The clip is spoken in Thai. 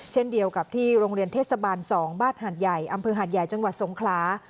เช่นเดียวกับที่โรงเรียนเทศบาล๒บ้านหาดใหญ่อำเภอหาดใหญ่จังหวัดสงขลา